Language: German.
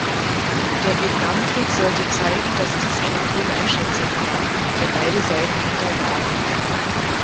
Der Vietnamkrieg sollte zeigen, dass dies eine Fehleinschätzung war, der beide Seiten unterlagen.